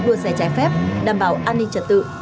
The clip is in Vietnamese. đua xe trái phép đảm bảo an ninh trật tự